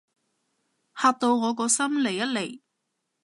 嚇到我個心離一離